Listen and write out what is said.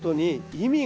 意味？